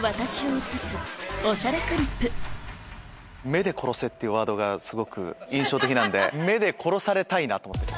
「目で殺せ」っていうワードがすごく印象的なんで目で殺されたいなと思って。